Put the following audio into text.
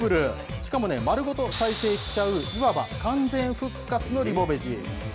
しかもまるごと再生しちゃう、いわば完全復活のリボベジ。